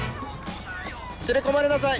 連れ込まれなさい！